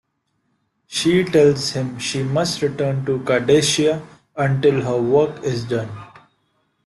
She tells him she must return to Cardassia until her work is done.